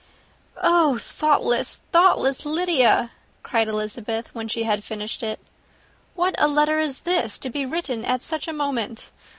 "Oh, thoughtless, thoughtless Lydia!" cried Elizabeth when she had finished it. "What a letter is this, to be written at such a moment!